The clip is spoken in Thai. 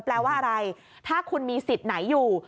แปลว่าอะไรถ้าคุณมีสิทธิ์ไหนอยู่